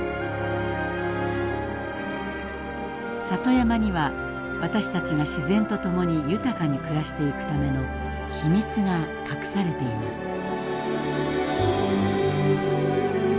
里山には私たちが自然とともに豊かに暮らしていくための秘密が隠されています。